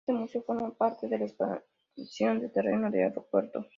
Este museo forma parte de la expansión de terreno del aeropuerto.